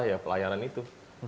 ya pelayanan itu